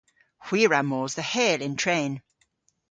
Hwi a wra mos dhe Heyl yn tren.